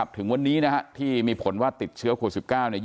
ถึงวันนี้ที่มีผลว่าติดเชื้อโควิด๑๙